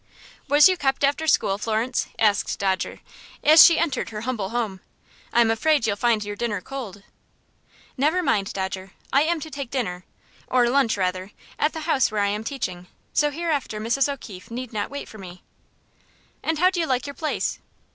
"Was you kept after school, Florence?" asked Dodger, as she entered her humble home. "I am afraid you'll find your dinner cold." "Never mind, Dodger. I am to take dinner or lunch, rather at the house where I am teaching; so hereafter Mrs. O'Keefe need not wait for me." "And how do you like your place?"